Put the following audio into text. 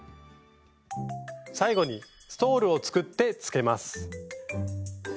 最後にストールを作ってつけます。